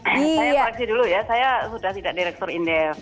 saya koreksi dulu ya saya sudah tidak direktur indef